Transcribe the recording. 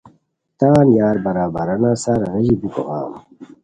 تان یار برابرانان سار غیژی بیکو غم